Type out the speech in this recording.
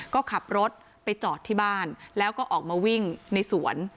ก็ขับรถไปจอดที่บ้านแล้วก็ออกมาวิ่งในสวน